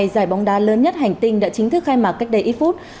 giải bóng đá lớn nhất hành tinh đã chính thức khai mạc cách đây ít phút